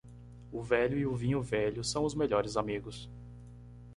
O velho e o vinho velho são os melhores amigos.